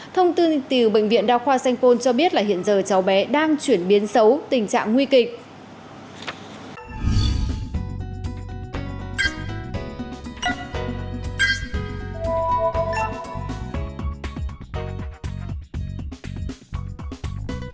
thông tin từ bệnh viện đa khoa sanh pôn cho biết là hiện giờ cháu bé đang chuyển biến xấu tình trạng nguy kịch